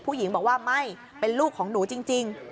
ผู้หญิงบอกว่าไม่เป็นลูกของหนูจริง